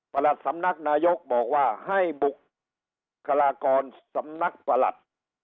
สำนักนายกบอกว่าให้บุคลากรสำนักประหลัด